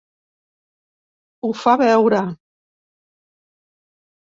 O ho fa veure.